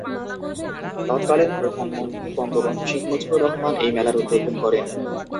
তৎকালীন প্রধানমন্ত্রী বঙ্গবন্ধু শেখ মুজিবুর রহমান এই মেলার উদ্বোধন করেন।